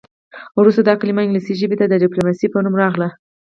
وروسته دا کلمه انګلیسي ژبې ته د ډیپلوماسي په نوم راغله